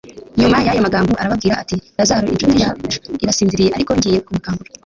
Nyuma y'ayo magambo arababwira ati: "Lazaro incuti yacu irasinziriye ariko ngiye kumukangura."